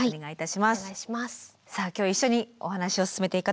さあ今日一緒にお話を進めていく方